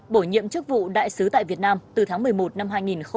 bổ nhiệm chức vụ đại sứ tại việt nam từ tháng một mươi một năm hai nghìn một mươi chín